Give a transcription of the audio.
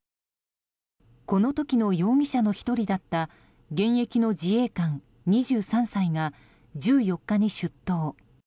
この時の容疑者の１人だった現役の自衛官、２３歳が１４日に出頭。